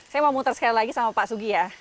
saya mau muter sekali lagi sama pak sugi ya